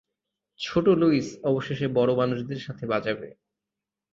ছোট লুইস অবশেষে বড় মানুষদের সাথে বাজাবে!